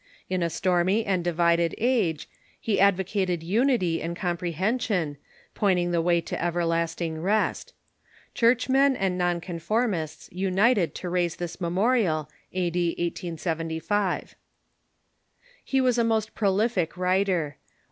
In a stormy and divided age, he advocated unity and com pi ehension, pointing the way to everlasting rest. Churchmen and non conformists united to raise this memorial, a.d. 1875." He Avas a most prolific writer.